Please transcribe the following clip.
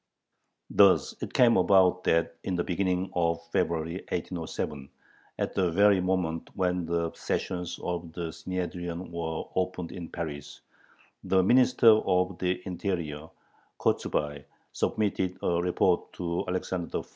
Thus it came about that in the beginning of February, 1807, at the very moment when the sessions of the Synhedrion were opened in Paris, the Minister of the Interior, Kochubay, submitted a report to Alexander I.